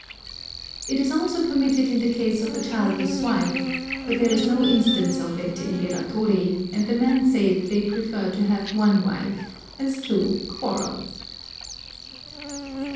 ] It is also permitted in the case of a childless wife; but there is no instance of it in Biratori, and the men say that they prefer to have one wife, as two quarrel.